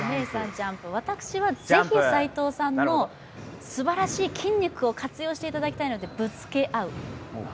私は、ぜひ齋藤さんのすばらしい筋肉を活用していただきたいので、ぶつけ合う。